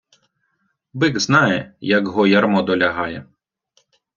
Бик знає, як го ярмо долягає.